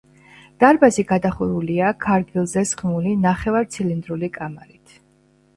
დარბაზი გადახურულია ქარგილზე სხმული, ნახევარცილინდრული კამარით.